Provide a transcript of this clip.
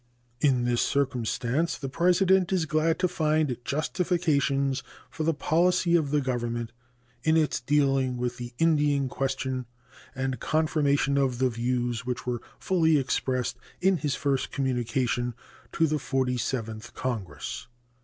In this circumstance the President is glad to find justification for the policy of the Government in its dealing with the Indian question and confirmation of the views which were fully expressed in his first communication to the Forty seventh Congress.